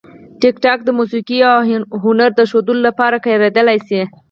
ټیکټاک د موسیقي او هنر د ښودلو لپاره کارېدلی شي.